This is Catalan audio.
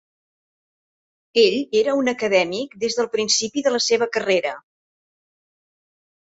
Ell era un acadèmic des del principi de la seva carrera.